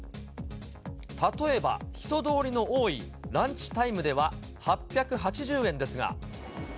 例えば、人通りの多いランチタイムでは８８０円ですが。